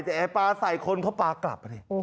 แดดไอปาใส่คนแล้วปากลับ